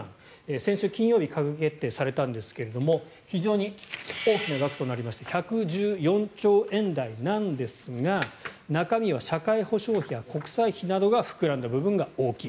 先週金曜に閣議決定されたんですが非常に大きな額となりまして１１４兆円台なんですが中身は社会保障費や国債費が膨らんだ部分が大きい。